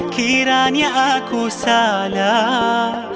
kiranya aku salah